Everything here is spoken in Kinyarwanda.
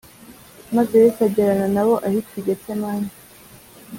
Maze Yesu agerana na bo ahitwa i Getsemani